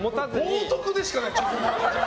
冒涜でしかない。